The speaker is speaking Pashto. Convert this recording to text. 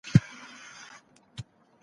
که باران نه وای سوی پښې به ښکارېدې.